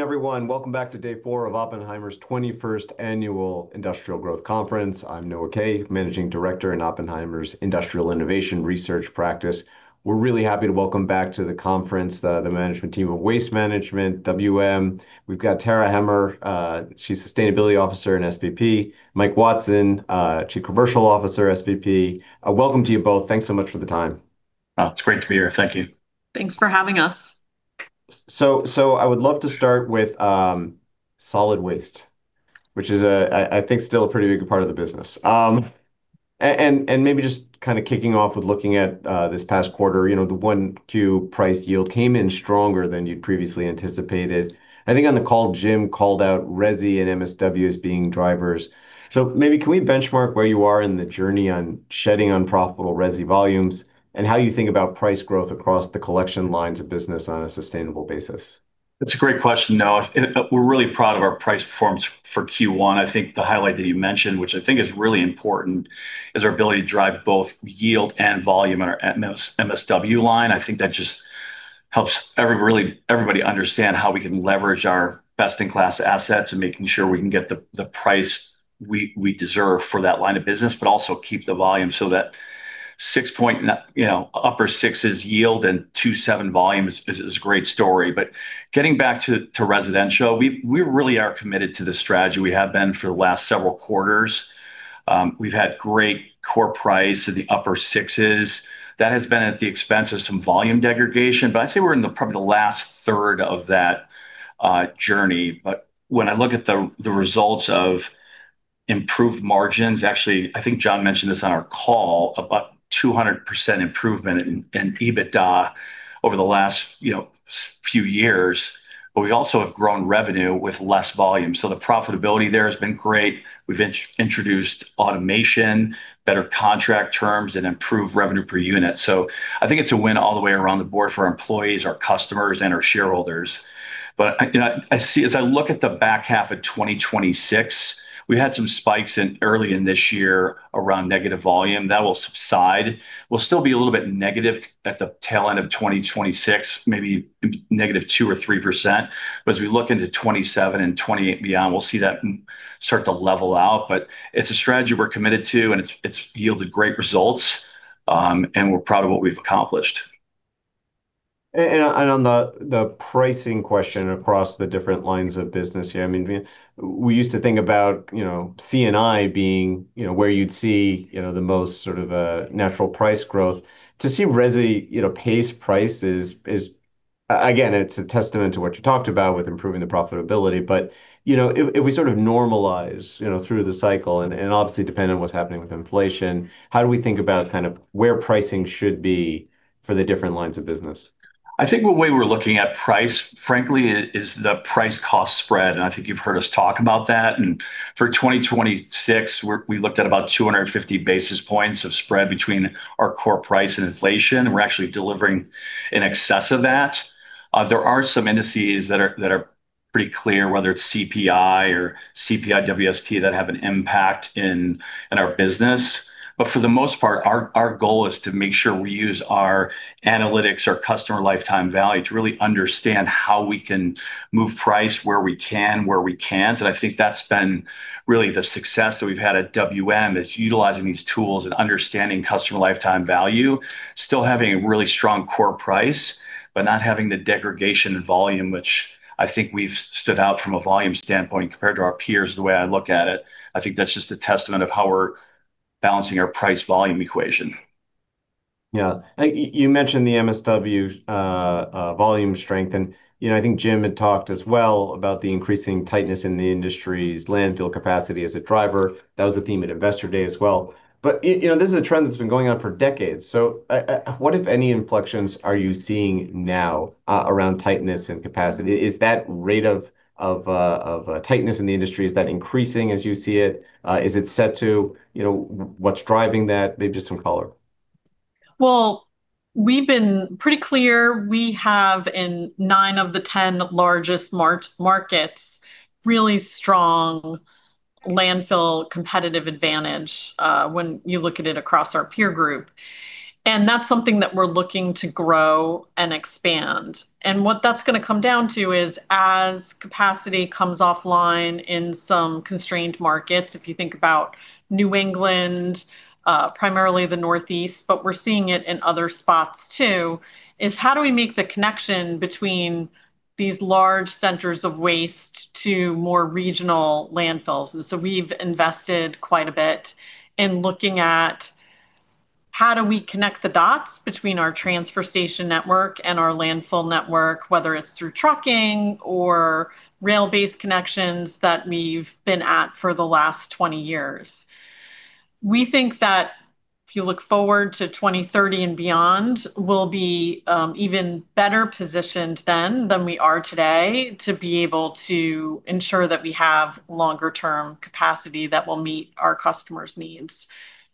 Everyone, welcome back to day four of Oppenheimer's 21st Annual Industrial Growth conference. I'm Noah Kaye, Managing Director in Oppenheimer's Industrial Innovation Research practice. We're really happy to welcome back to the conference, the management team of Waste Management, WM. We've got Tara Hemmer, she's Chief Sustainability Officer and SVP. Mike Watson, Chief Customer Officer, SVP. Welcome to you both. Thanks so much for the time. Oh, it's great to be here. Thank you. Thanks for having us. So I would love to start with solid waste, which is a, I think still a pretty big part of the business. Maybe just kind of kicking off with looking at this past quarter, you know, the 1Q price yield came in stronger than you'd previously anticipated. I think on the call, Jim called out resi and MSW as being drivers. Maybe can we benchmark where you are in the journey on shedding unprofitable resi volumes, and how you think about price growth across the collection lines of business on a sustainable basis? That's a great question, Noah Kaye. We're really proud of our price performance for Q1. I think the highlight that you mentioned, which I think is really important, is our ability to drive both yield and volume in our MSW line. I think that just helps every really everybody understand how we can leverage our best-in-class assets and making sure we can get the price we deserve for that line of business, but also keep the volume so that you know, upper 6%s yield and 2.7% volume is a great story. Getting back to residential, we really are committed to this strategy. We have been for the last several quarters. We've had great core price in the upper 6%s. That has been at the expense of some volume degradation, I'd say we're in the last third of that journey. When I look at the results of improved margins, actually, I think John mentioned this on our call, about 200% improvement in EBITDA over the last, you know, few years, we also have grown revenue with less volume, the profitability there has been great. We've introduced automation, better contract terms, and improved revenue per unit. I think it's a win all the way around the board for our employees, our customers, and our shareholders. I, you know, I see As I look at the back half of 2026, we had some spikes early in this year around negative volume. That will subside. We'll still be a little bit negative at the tail end of 2026, maybe -2% or -3%. As we look into 2027 and 2028 beyond, we'll see that start to level out. It's a strategy we're committed to, and it's yielded great results. We're proud of what we've accomplished. On the pricing question across the different lines of business here, I mean, we used to think about, you know, C&I being, you know, where you'd see, you know, the most sort of natural price growth. To see resi, you know, pace prices is, again, it's a testament to what you talked about with improving the profitability. If, you know, if we sort of normalize, you know, through the cycle and obviously depending on what's happening with inflation, how do we think about kind of where pricing should be for the different lines of business? I think the way we're looking at price, frankly, is the price-cost spread. I think you've heard us talk about that. For 2026, we looked at about 250 basis points of spread between our core price and inflation. We're actually delivering in excess of that. There are some indices that are pretty clear, whether it's CPI or CPI-WST, that have an impact in our business. For the most part, our goal is to make sure we use our analytics, our customer lifetime value, to really understand how we can move price where we can, where we can't. I think that's been really the success that we've had at WM, is utilizing these tools and understanding customer lifetime value, still having a really strong core price, but not having the degradation in volume, which I think we've stood out from a volume standpoint compared to our peers, the way I look at it. I think that's just a testament of how we're balancing our price-volume equation. Yeah. You mentioned the MSW volume strength and, you know, I think Jim had talked as well about the increasing tightness in the industry's landfill capacity as a driver. That was the theme at Investor Day as well. You know, this is a trend that's been going on for decades. What, if any, inflections are you seeing now around tightness and capacity? Is that rate of tightness in the industry, is that increasing as you see it? Is it set to? You know, what's driving that? Maybe just some color. Well, we've been pretty clear. We have, in nine of the 10 largest markets, really strong landfill competitive advantage when you look at it across our peer group, that's something that we're looking to grow and expand. What that's gonna come down to is as capacity comes offline in some constrained markets, if you think about New England, primarily the Northeast, but we're seeing it in other spots too, is how do we make the connection between these large centers of waste to more regional landfills? We've invested quite a bit in looking at how do we connect the dots between our transfer station network and our landfill network, whether it's through trucking or rail-based connections that we've been at for the last 20 years. We think that if you look forward to 2030 and beyond, we'll be even better positioned then than we are today to be able to ensure that we have longer term capacity that will meet our customers' needs,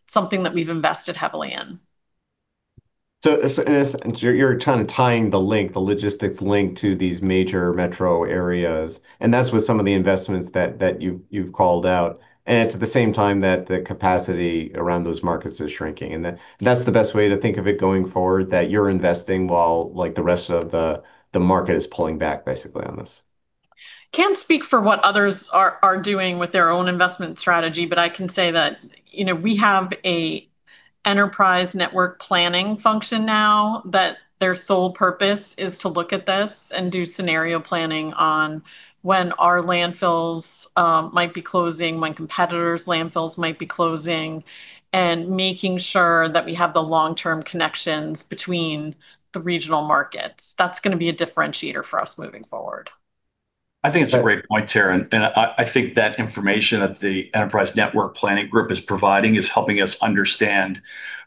something that we've invested heavily in. As you're kind of tying the link, the logistics link to these major metro areas, and that's with some of the investments that you've called out, and it's at the same time that the capacity around those markets is shrinking. Yeah That's the best way to think of it going forward, that you're investing while, like, the rest of the market is pulling back basically on this? Can't speak for what others are doing with their own investment strategy. I can say that, you know, we have an Enterprise Network Planning function now that their sole purpose is to look at this and do scenario planning on when our landfills might be closing, when competitors' landfills might be closing, and making sure that we have the long-term connections between the regional markets. That's gonna be a differentiator for us moving forward. I think it's a great point, Tara. I think that information that the Enterprise Network Planning Group is providing is helping us understand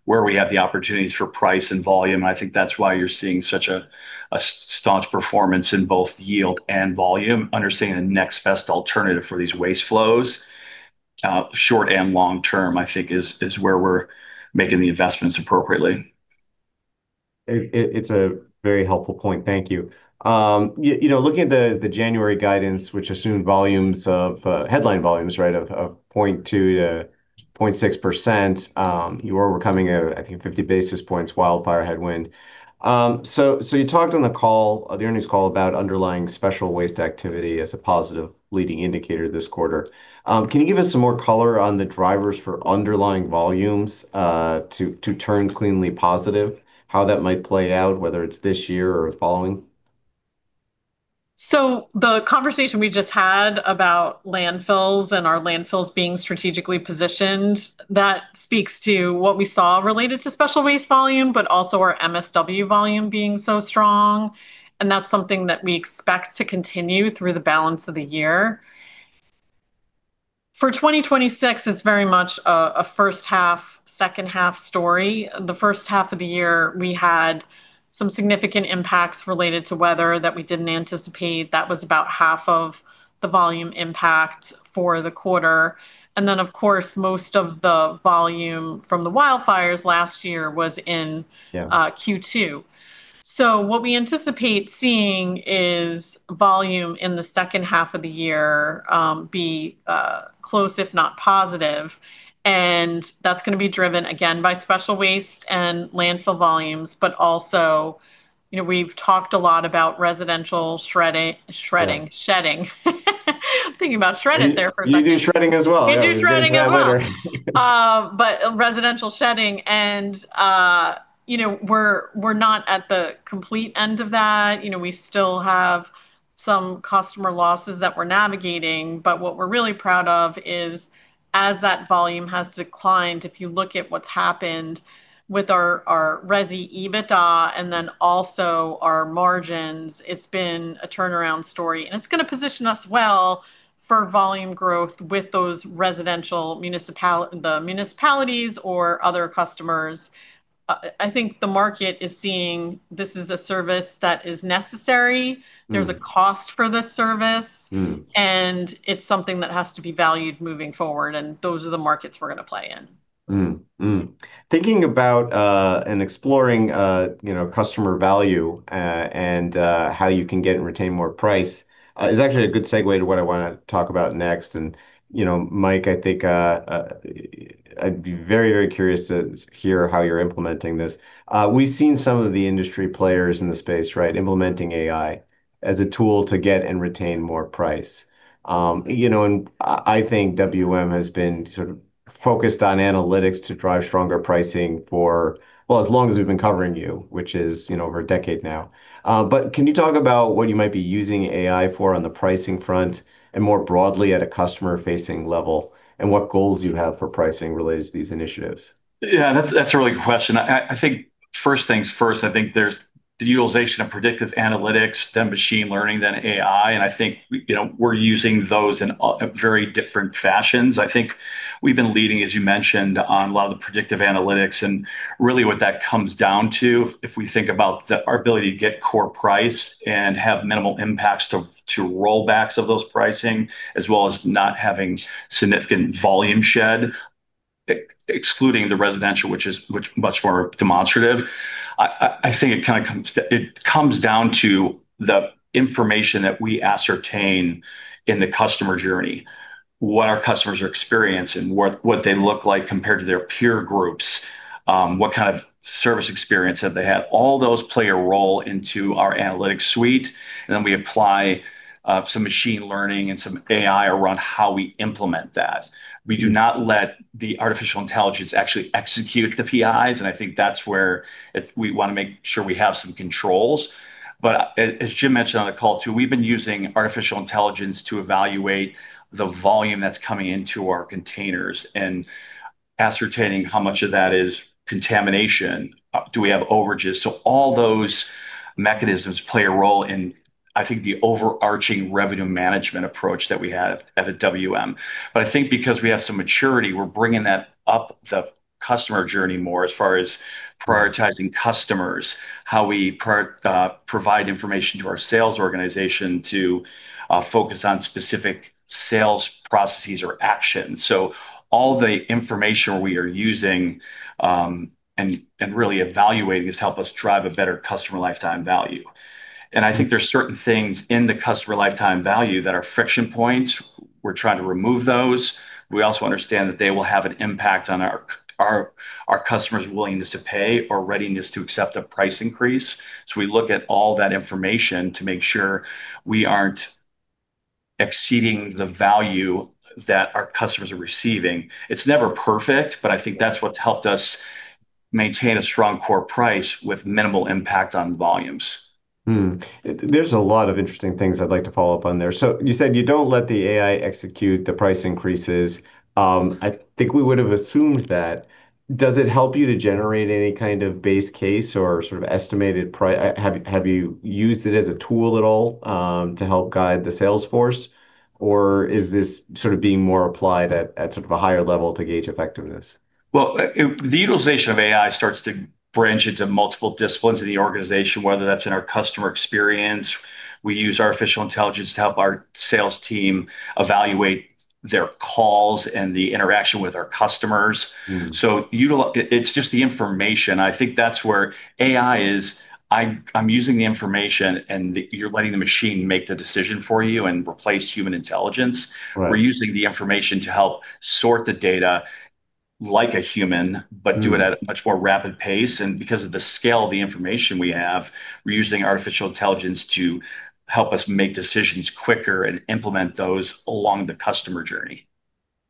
where we have the opportunities for price and volume. I think that's why you're seeing such a staunch performance in both yield and volume. Understanding the next best alternative for these waste flows, short and long term, I think is where we're making the investments appropriately. It's a very helpful point, thank you. You know, looking at the January guidance, which assumed volumes of headline volumes, right, of 0.2-0.6%, you were overcoming a, I think, 50 basis points wildfire headwind. You talked on the call, the earnings call, about underlying special waste activity as a positive leading indicator this quarter. Can you give us some more color on the drivers for underlying volumes to turn cleanly positive, how that might play out, whether it's this year or the following? The conversation we just had about landfills and our landfills being strategically positioned, that speaks to what we saw related to special waste volume, but also our MSW volume being so strong. That's something that we expect to continue through the balance of the year. For 2026, it's very much a first half/second half story. The first half of the year we had some significant impacts related to weather that we didn't anticipate. That was about half of the volume impact for the quarter. Then of course, most of the volume from the wildfires last year was in- Yeah Q2. What we anticipate seeing is volume in the second half of the year, be close if not positive, and that's gonna be driven again by special waste and landfill volumes, but also, you know, we've talked a lot about residential shredding. Yeah Shredding. I'm thinking about shredding there for a second. You do shredding as well. We do shredding as well. Yeah, we do that later. Residential shedding and, you know, we're not at the complete end of that. You know, we still have some customer losses that we're navigating, but what we're really proud of is, as that volume has declined, if you look at what's happened with our resi EBITDA and then also our margins, it's been a turnaround story. It's gonna position us well for volume growth with those residential municipalities or other customers. I think the market is seeing this is a service that is necessary. There's a cost for this service. It's something that has to be valued moving forward, and those are the markets we're gonna play in. Thinking about and exploring, you know, customer value and how you can get and retain more price is actually a good segue to what I wanna talk about next. You know, Mike, I think I'd be very, very curious to hear how you're implementing this. We've seen some of the industry players in the space, right, implementing AI as a tool to get and retain more price. You know, I think WM has been sort of focused on analytics to drive stronger pricing for, well, as long as we've been covering you, which is, you know, over decade now. Can you talk about what you might be using AI for on the pricing front and more broadly at a customer-facing level, and what goals you have for pricing related to these initiatives? Yeah, that's a really good question. I think first things first, I think there's the utilization of predictive analytics, then machine learning, then AI. I think we, you know, we're using those in very different fashions. I think we've been leading, as you mentioned, on a lot of the predictive analytics, really what that comes down to, if we think about our ability to get core price and have minimal impacts to rollbacks of those pricing, as well as not having significant volume shed, excluding the residential, which is much more demonstrative. I think it comes down to the information that we ascertain in the customer journey, what our customers are experiencing, what they look like compared to their peer groups, what kind of service experience have they had. All those play a role into our analytics suite, then we apply some machine learning and some AI around how we implement that. We do not let the artificial intelligence actually execute the PIs, and I think that's where we wanna make sure we have some controls. As Jim mentioned on the call too, we've been using artificial intelligence to evaluate the volume that's coming into our containers and ascertaining how much of that is contamination. Do we have overages? All those mechanisms play a role in, I think, the overarching revenue management approach that we have at WM. I think because we have some maturity, we're bringing that up the customer journey more as far as prioritizing customers, how we provide information to our sales organization to focus on specific sales processes or actions. All the information we are using, and really evaluating has helped us drive a better customer lifetime value. I think there's certain things in the customer lifetime value that are friction points. We're trying to remove those. We also understand that they will have an impact on our customers' willingness to pay or readiness to accept a price increase. We look at all that information to make sure we aren't exceeding the value that our customers are receiving. It's never perfect, but I think that's what's helped us maintain a strong core price with minimal impact on volumes. Hmm. There's a lot of interesting things I'd like to follow up on there. You said you don't let the AI execute the price increases. I think we would've assumed that. Does it help you to generate any kind of base case or sort of estimated have you used it as a tool at all to help guide the sales force, or is this sort of being more applied at sort of a higher level to gauge effectiveness? Well, the utilization of AI starts to branch into multiple disciplines in the organization, whether that's in our customer experience. We use artificial intelligence to help our sales team evaluate their calls and the interaction with our customers. It's just the information. I think that's where AI is. I'm using the information, and you're letting the machine make the decision for you and replace human intelligence. Right. We're using the information to help sort the data like a human- Do it at a much more rapid pace. Because of the scale of the information we have, we're using artificial intelligence to help us make decisions quicker and implement those along the customer journey.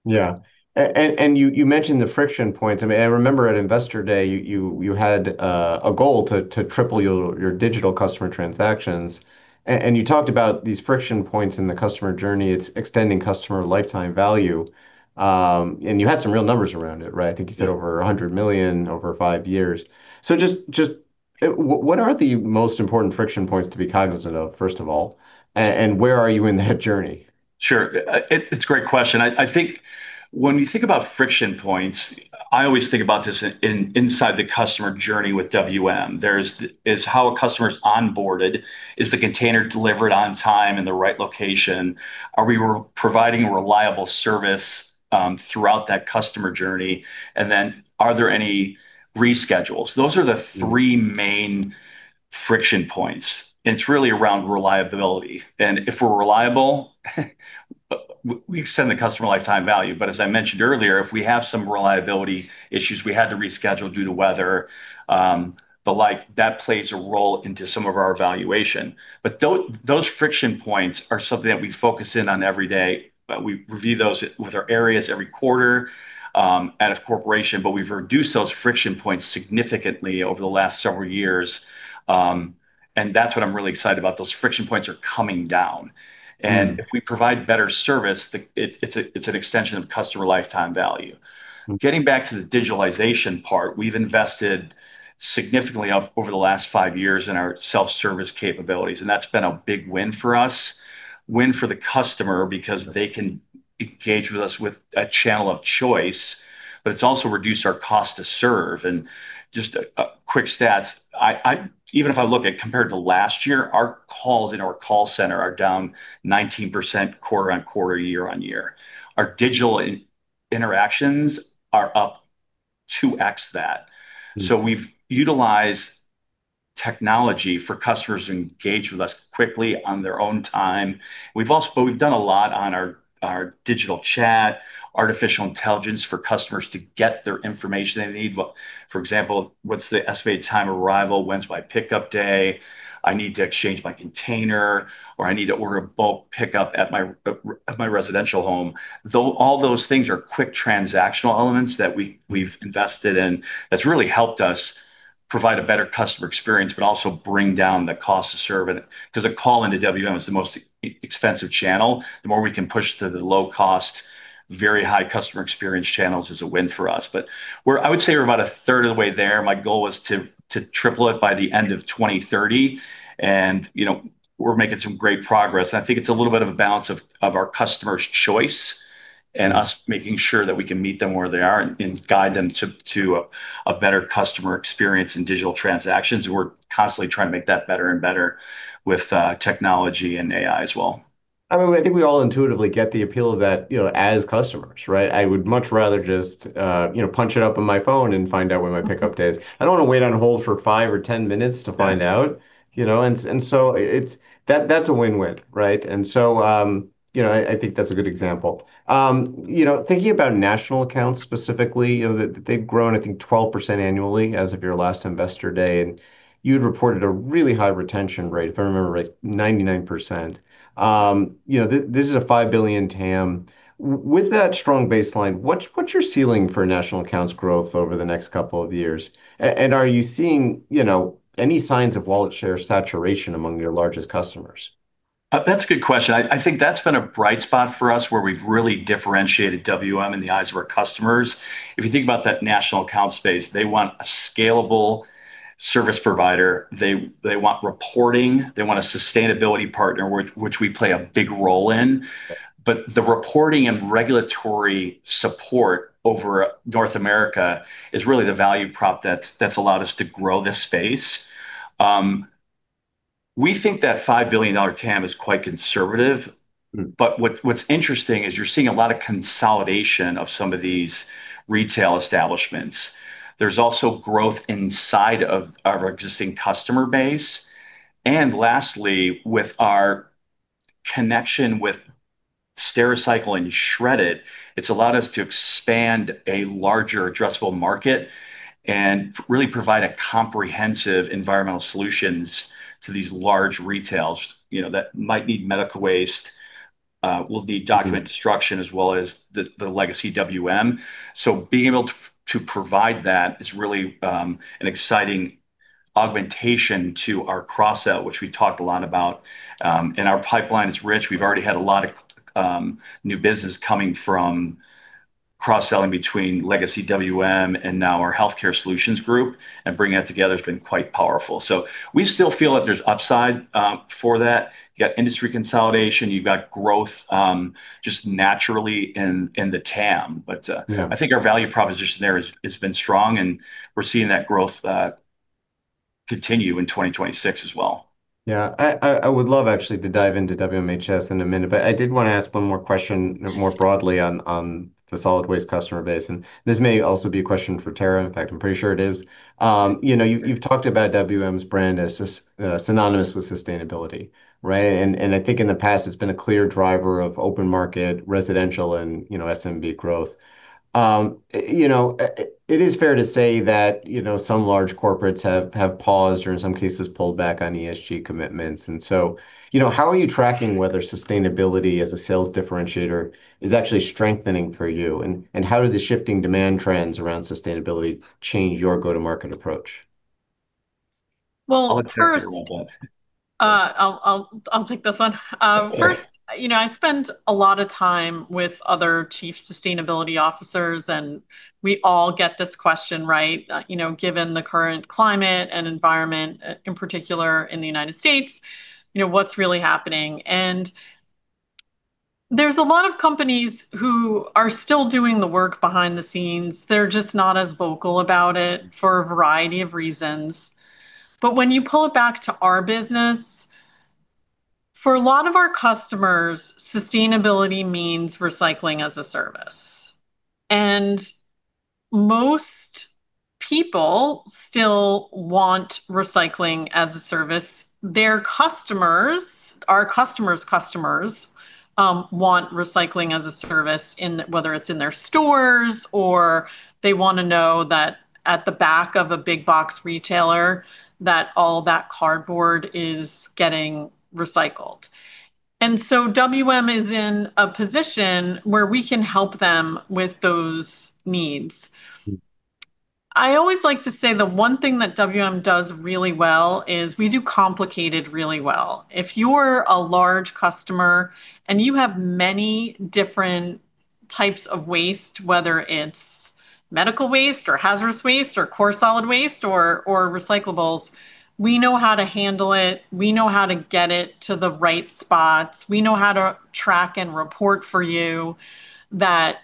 Yeah. You mentioned the friction points. I mean, I remember at Investor Day, you had a goal to triple your digital customer transactions. You talked about these friction points in the customer journey. It's extending customer lifetime value. You had some real numbers around it, right? Yeah. I think you said over $100 million over five years. Just what are the most important friction points to be cognizant of, first of all? Where are you in that journey? Sure. It's a great question. I think when we think about friction points, I always think about this inside the customer journey with WM. There's how a customer's onboarded. Is the container delivered on time in the right location? Are we providing reliable service throughout that customer journey? Are there any reschedules? Those are the three main friction points, and it's really around reliability. If we're reliable, we extend the Customer Lifetime Value. As I mentioned earlier, if we have some reliability issues, we had to reschedule due to weather, the like, that plays a role into some of our evaluation. Those friction points are something that we focus in on every day, but we review those with our areas every quarter, out of corporation. We've reduced those friction points significantly over the last several years. That's what I'm really excited about. Those friction points are coming down. If we provide better service, it's an extension of customer lifetime value. Getting back to the digitalization part, we've invested significantly over the last five years in our self-service capabilities, and that's been a big win for us, win for the customer because they can engage with us with a channel of choice, but it's also reduced our cost to serve. Just a quick stats, I even if I look at compared to last year, our calls in our call center are down 19% quarter-on-quarter, year-on-year. Our digital interactions are up 2x that. We've utilized technology for customers to engage with us quickly on their own time. We've also done a lot on our digital chat, artificial intelligence for customers to get their information they need. For example, what's the estimated time of arrival? When's my pickup day? I need to exchange my container, or I need to order a bulk pickup at my residential home. All those things are quick transactional elements that we've invested in, that's really helped us provide a better customer experience, but also bring down the cost to serve it. Because a call into WM is the most expensive channel. The more we can push to the low cost, very high customer experience channels is a win for us. I would say we're about a third of the way there. My goal was to triple it by the end of 2030. You know, we're making some great progress. I think it's a little bit of a balance of our customer's choice and us making sure that we can meet them where they are and guide them to a better customer experience in digital transactions. We're constantly trying to make that better and better with technology and AI as well. I mean, I think we all intuitively get the appeal of that, you know, as customers, right? I would much rather just, you know, punch it up on my phone and find out when my pickup day is. I don't want to wait on hold for five or 10 minutes to find out. Yeah. You know? That's a win-win, right? You know, I think that's a good example. You know, thinking about national accounts specifically, you know, they've grown, I think 12% annually as of your last Investor Day, and you had reported a really high retention rate, if I remember right, 99%. You know, this is a $5 billion TAM. With that strong baseline, what's your ceiling for national accounts growth over the next couple of years? Are you seeing, you know, any signs of wallet share saturation among your largest customers? That's a good question. I think that's been a bright spot for us, where we've really differentiated WM in the eyes of our customers. If you think about that national account space, they want a scalable service provider. They want reporting. They want a sustainability partner, which we play a big role in. Yeah. The reporting and regulatory support over North America is really the value prop that's allowed us to grow this space. We think that $5 billion TAM is quite conservative. What's interesting is you're seeing a lot of consolidation of some of these retail establishments. There's also growth inside of our existing customer base. Lastly, with our connection with Stericycle and Shred-it, it's allowed us to expand a larger addressable market and really provide a comprehensive environmental solutions to these large retails, you know, that might need medical waste, will need document destruction as well as the legacy WM. Being able to provide that is really an exciting augmentation to our cross-sell, which we talked a lot about. Our pipeline is rich. We've already had a lot of new business coming from cross-selling between legacy WM and now our Healthcare Solutions, and bringing that together has been quite powerful. We still feel that there's upside for that. You got industry consolidation, you've got growth, just naturally in the TAM. Yeah I think our value proposition there has been strong, and we're seeing that growth continue in 2026 as well. Yeah. I would love actually to dive into WMHS in a minute, I did wanna ask one more question more broadly on the solid waste customer base, and this may also be a question for Tara. In fact, I'm pretty sure it is. You know, you've talked about WM's brand as synonymous with sustainability, right? I think in the past it's been a clear driver of open market, residential, and, you know, SMB growth. You know, it is fair to say that, you know, some large corporates have paused or in some cases pulled back on ESG commitments. How are you tracking whether sustainability as a sales differentiator is actually strengthening for you, and how do the shifting demand trends around sustainability change your go-to-market approach? Well, first- I'll let Tara take that one. I'll take this one. First- Okay you know, I spend a lot of time with other chief sustainability officers, and we all get this question, right? you know, given the current climate and environment, in particular in the U.S., you know, what's really happening? There's a lot of companies who are still doing the work behind the scenes, they're just not as vocal about it for a variety of reasons. When you pull it back to our business, for a lot of our customers, sustainability means recycling as a service, and most people still want recycling as a service. Their customers, our customers' customers, want recycling as a service in whether it's in their stores, or they wanna know that at the back of a big box retailer, that all that cardboard is getting recycled. WM is in a position where we can help them with those needs. I always like to say the one thing that WM does really well is we do complicated really well. If you're a large customer and you have many different types of waste, whether it's medical waste or hazardous waste or core solid waste or recyclables, we know how to handle it, we know how to get it to the right spots. We know how to track and report for you that,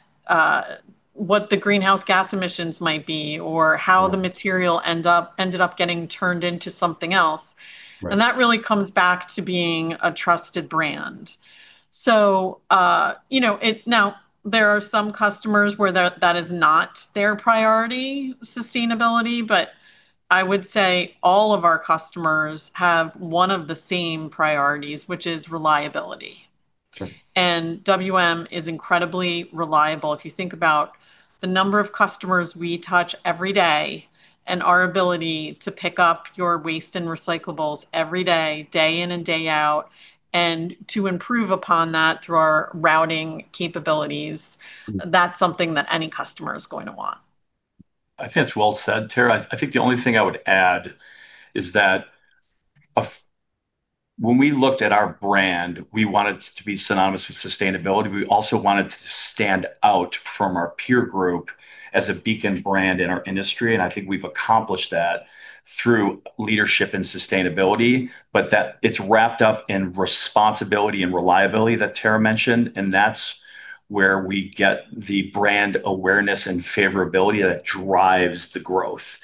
what the greenhouse gas emissions might be- Right the material ended up getting turned into something else. Right. That really comes back to being a trusted brand. You know, now, there are some customers where that is not their priority, sustainability, but I would say all of our customers have one of the same priorities, which is reliability. Sure. WM is incredibly reliable. If you think about the number of customers we touch every day, and our ability to pick up your waste and recyclables every day in and day out, and to improve upon that through our routing capabilities. That's something that any customer is going to want. I think that's well said, Tara. I think the only thing I would add is that when we looked at our brand, we wanted to be synonymous with sustainability. We also wanted to stand out from our peer group as a beacon brand in our industry, and I think we've accomplished that through leadership and sustainability, but that it's wrapped up in responsibility and reliability that Tara mentioned, and that's where we get the brand awareness and favorability that drives the growth.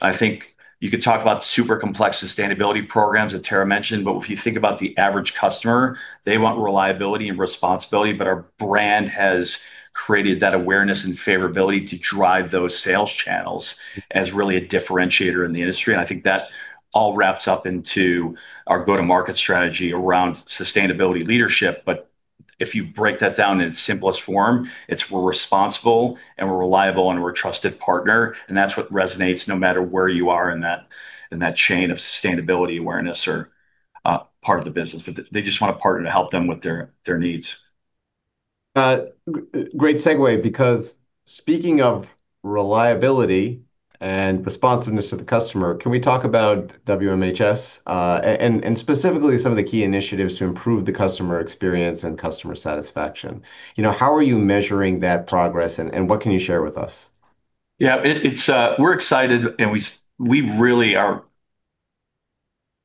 I think you could talk about super complex sustainability programs that Tara mentioned, but if you think about the average customer, they want reliability and responsibility. Our brand has created that awareness and favorability to drive those sales channels. as really a differentiator in the industry, I think that all wraps up into our go-to-market strategy around sustainability leadership. If you break that down in its simplest form, it's we're responsible and we're reliable, and we're a trusted partner, That's what resonates no matter where you are in that chain of sustainability awareness or part of the business. They just want a partner to help them with their needs. Great segue because speaking of reliability and responsiveness to the customer, can we talk about WMHS and specifically some of the key initiatives to improve the customer experience and customer satisfaction? You know, how are you measuring that progress and what can you share with us? Yeah. It's, we're excited we really are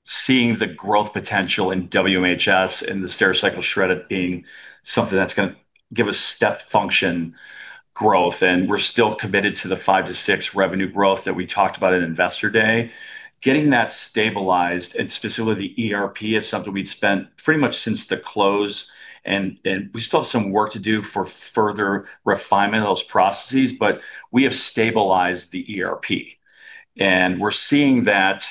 seeing the growth potential in WMHS, in the Stericycle Shred-it being something that's gonna give us step function growth, we're still committed to the 5%-6% revenue growth that we talked about at Investor Day. Getting that stabilized, specifically the ERP, is something we'd spent pretty much since the close, we still have some work to do for further refinement of those processes, we have stabilized the ERP, we're seeing that.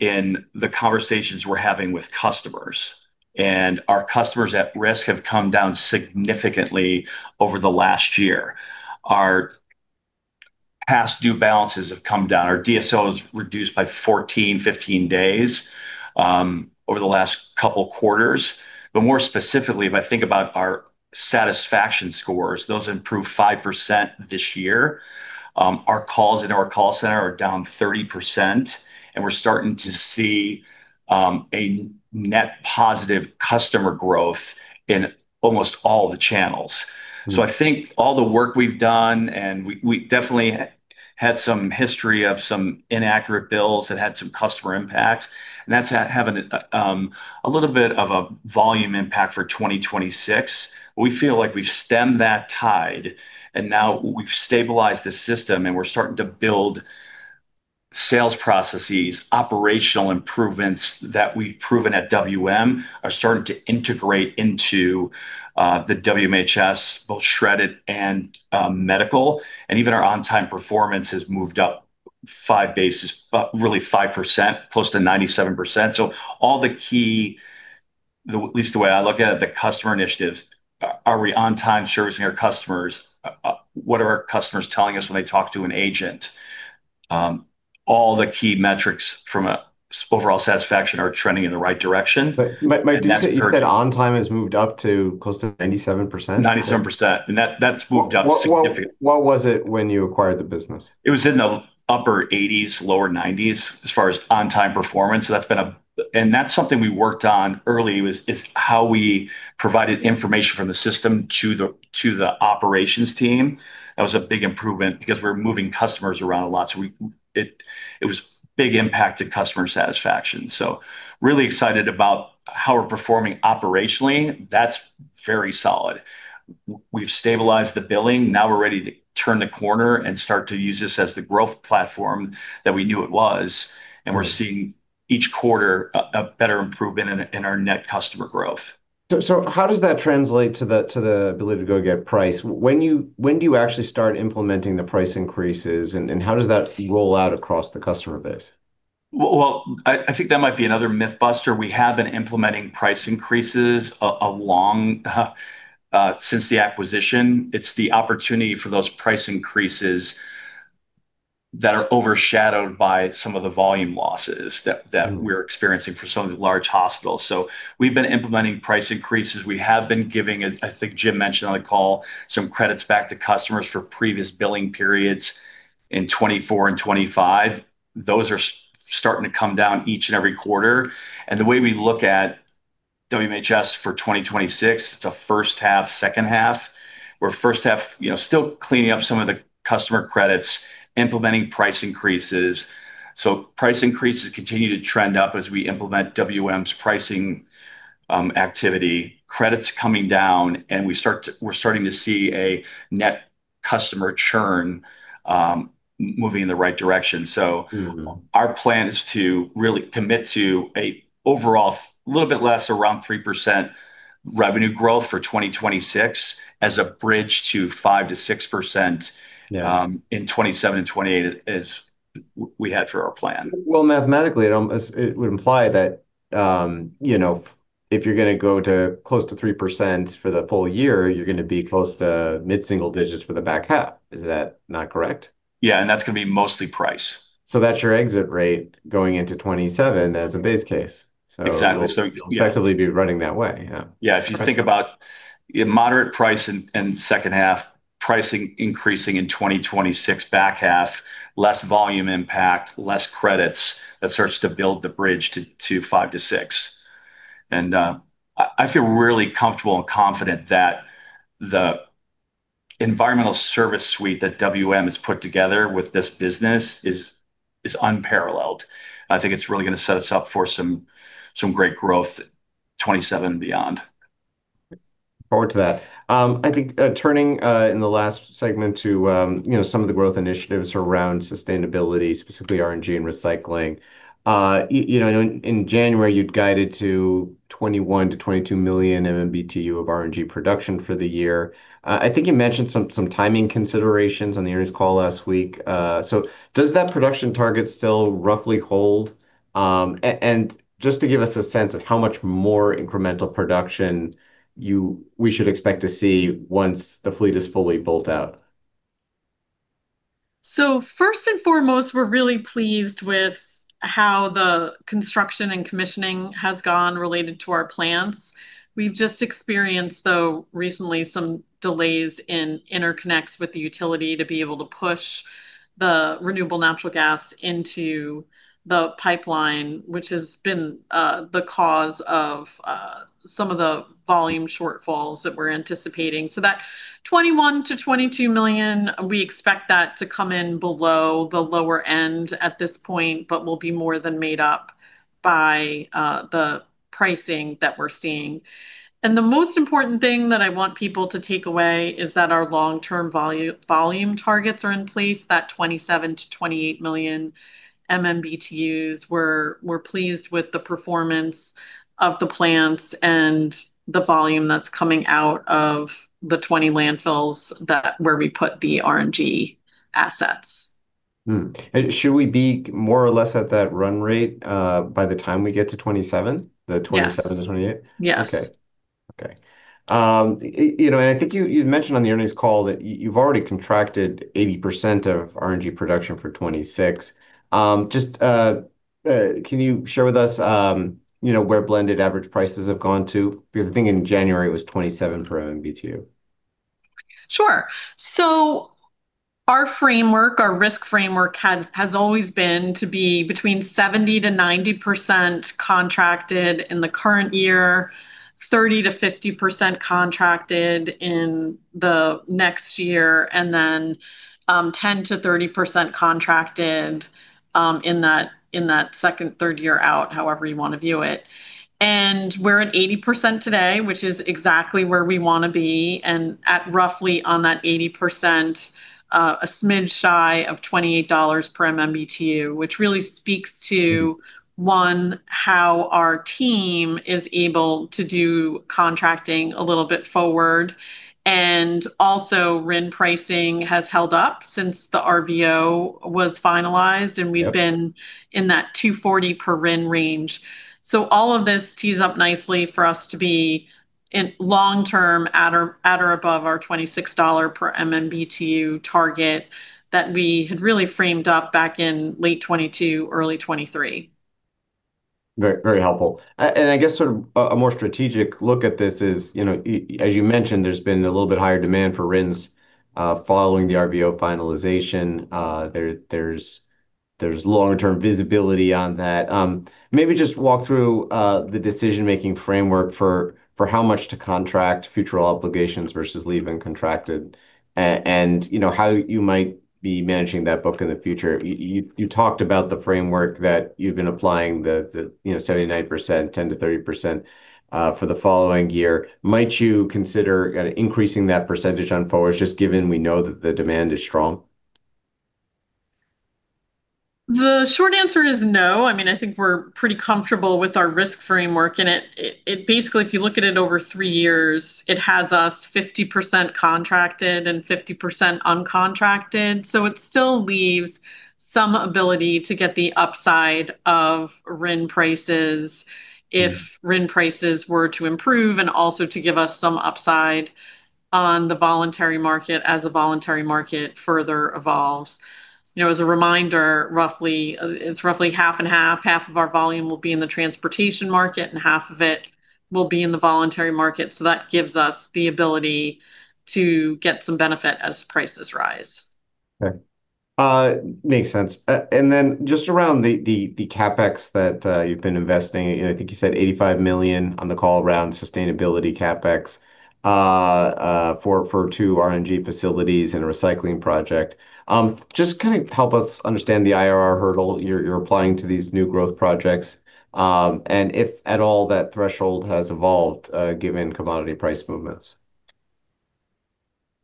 In the conversations we're having with customers, our customers at risk have come down significantly over the last year. Our past due balances have come down. Our DSO is reduced by 14, 15 days over the last couple quarters. More specifically, if I think about our satisfaction scores, those improved 5% this year. Our calls in our call center are down 30%, and we're starting to see net positive customer growth in almost all the channels. I think all the work we've done, and we definitely had some history of some inaccurate bills that had some customer impact. That's having a little bit of a volume impact for 2026. We feel like we've stemmed that tide, and now we've stabilized the system, and we're starting to build sales processes, operational improvements that we've proven at WM are starting to integrate into the WMHS, both Shred-it and medical. Even our on-time performance has moved up 5 basis point, really 5%, close to 97%. All the key At least the way I look at it, the customer initiatives, are we on time servicing our customers? What are our customers telling us when they talk to an agent? All the key metrics from a overall satisfaction are trending in the right direction. But my- And that's very- you said on time has moved up to close to 97%? 97%, that's moved up significantly. What was it when you acquired the business? It was in the upper eighties, lower nineties as far as on-time performance. That's been something we worked on early was, is how we provided information from the system to the operations team. That was a big improvement because we were moving customers around a lot, so it was big impact to customer satisfaction. Really excited about how we're performing operationally. That's very solid. We've stabilized the billing. Now we're ready to turn the corner and start to use this as the growth platform that we knew it was. We're seeing each quarter a better improvement in our net customer growth. How does that translate to the ability to go get price? When do you actually start implementing the price increases, and how does that roll out across the customer base? Well, I think that might be another myth buster. We have been implementing price increases a long since the acquisition. It's the opportunity for those price increases that are overshadowed by some of the volume losses. that we're experiencing for some of the large hospitals. We've been implementing price increases. We have been giving, as I think Jim mentioned on the call, some credits back to customers for previous billing periods in 2024 and 2025. Those are starting to come down each and every quarter. The way we look at WMHS for 2026, it's a first half, second half, where first half, you know, still cleaning up some of the customer credits, implementing price increases. Price increases continue to trend up as we implement WM's pricing activity. Credit's coming down, and we're starting to see a net customer churn moving in the right direction. Our plan is to really commit to an overall little bit less, around 3% revenue growth for 2026 as a bridge to 5%-6%- Yeah in 2027 and 2028 as we had for our plan. Well, mathematically, it would imply that, you know, if you're gonna go to close to 3% for the full year, you're gonna be close to mid-single digits for the back half. Is that not correct? Yeah, that's gonna be mostly price. That's your exit rate going into 2027 as a base case. Exactly. Yeah. You'll effectively be running that way, yeah. Yeah, if you think about a moderate price in second half, pricing increasing in 2026 back half, less volume impact, less credits, that starts to build the bridge to 5%-6%. I feel really comfortable and confident that the environmental service suite that WM has put together with this business is unparalleled. I think it's really gonna set us up for some great growth 2027 and beyond. Look forward to that. I think turning in the last segment to some of the growth initiatives around sustainability, specifically RNG and recycling. In January, you'd guided to 21 million-22 million MMBtu of RNG production for the year. I think you mentioned some timing considerations on the earnings call last week. Does that production target still roughly hold? Just to give us a sense of how much more incremental production we should expect to see once the fleet is fully built out. First and foremost, we're really pleased with how the construction and commissioning has gone related to our plants. We've just experienced, though, recently some delays in interconnects with the utility to be able to push the renewable natural gas into the pipeline, which has been the cause of some of the volume shortfalls that we're anticipating. That 21 million-22 million MMBtus, we expect that to come in below the lower end at this point, but will be more than made up by the pricing that we're seeing. The most important thing that I want people to take away is that our long-term volume targets are in place, that 27 million-28 million MMBtus. We're pleased with the performance of the plants and the volume that's coming out of the 20 landfills where we put the RNG assets. Should we be more or less at that run rate, by the time we get to 2027- Yes to 2028? Yes. Okay. you know, I think you mentioned on the earnings call that you've already contracted 80% of RNG production for 2026. Can you share with us, you know, where blended average prices have gone to? I think in January it was $27 per MMBtu. Sure. Our framework, our risk framework has always been to be between 70%-90% contracted in the current year, 30%-50% contracted in the next year, and then 10%-30% contracted in that second, third year out, however you wanna view it. We're at 80% today, which is exactly where we wanna be, and at roughly on that 80%, a smidge shy of $28 per MMBtu, which really speaks to, one, how our team is able to do contracting a little bit forward. Also, RIN pricing has held up since the RVO was finalized. Yep We've been in that $2.40 per RIN range. All of this tees up nicely for us to be in long-term at or above our $26 per MMBtu target that we had really framed up back in late 2022, early 2023. Very, very helpful. I guess sort of a more strategic look at this is, as you mentioned, there's been a little bit higher demand for RINs following the RVO finalization. There's long-term visibility on that. Maybe just walk through the decision-making framework for how much to contract future obligations versus leave uncontracted and how you might be managing that book in the future. You talked about the framework that you've been applying, 79%, 10%-30% for the following year. Might you consider increasing that percentage on forward just given we know that the demand is strong? The short answer is no. I mean, I think we're pretty comfortable with our risk framework, and it basically if you look at it over three years, it has us 50% contracted and 50% uncontracted. It still leaves some ability to get the upside of RIN prices if RIN prices were to improve, and also to give us some upside on the voluntary market as the voluntary market further evolves. You know, as a reminder, roughly, it's roughly half and half. Half of our volume will be in the transportation market, and half of it will be in the voluntary market, that gives us the ability to get some benefit as prices rise. Okay. makes sense. Just around the CapEx that you've been investing in. I think you said $85 million on the call around sustainability CapEx for two RNG facilities and a recycling project. Just kind of help us understand the IRR hurdle you're applying to these new growth projects, and if at all that threshold has evolved given commodity price movements.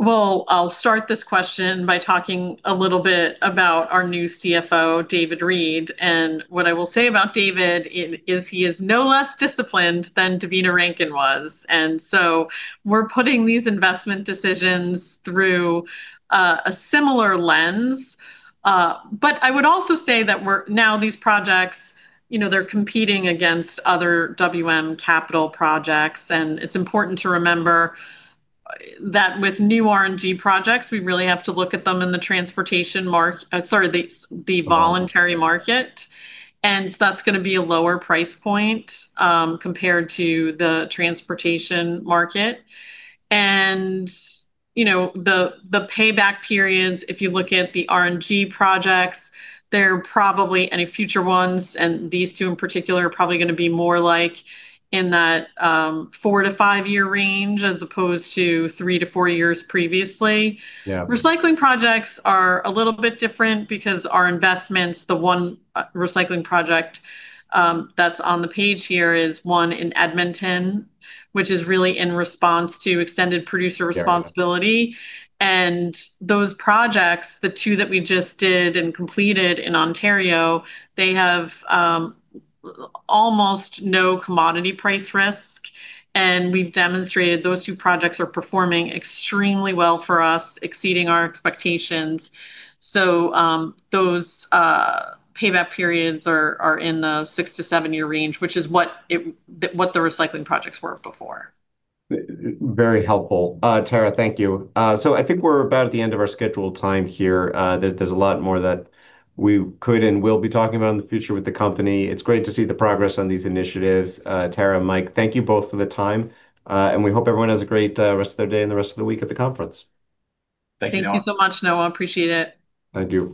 I'll start this question by talking a little bit about our new CFO, David Reed, and what I will say about David is he is no less disciplined than Devina Rankin was. So we're putting these investment decisions through a similar lens. But I would also say that we're Now these projects, you know, they're competing against other WM capital projects, and it's important to remember that with new RNG projects, we really have to look at them in the voluntary market. So that's gonna be a lower price point compared to the transportation market. You know, the payback periods, if you look at the RNG projects, they're probably, and future ones, and these two in particular are probably gonna be more like in that, four to five year range as opposed to three to four years previously. Yeah. Recycling projects are a little bit different because our investments, the one recycling project that's on the page here is one in Edmonton, which is really in response to extended producer responsibility. Yeah. Those projects, the two that we just did and completed in Ontario, they have almost no commodity price risk, and we've demonstrated those two projects are performing extremely well for us, exceeding our expectations. Those payback periods are in the six to seven year range, which is what the recycling projects were before. Very helpful. Tara, thank you. I think we're about at the end of our scheduled time here. There's a lot more that we could and will be talking about in the future with the company. It's great to see the progress on these initiatives. Tara, Mike, thank you both for the time, and we hope everyone has a great rest of their day and the rest of the week at the conference. Thank you, Noah. Thank you so much, Noah Kaye. Appreciate it. Thank you.